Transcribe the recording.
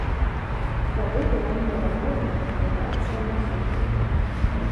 Тады была неверагодная інтэграцыя музыкаў.